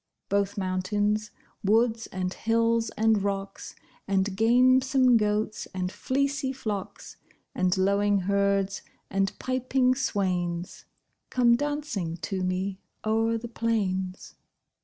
Both mountains, woods, and hills, and rocks And gamesome goats, and fleecy flocks, And lowing herds, and piping swains, Come dancing to me o'er the plains.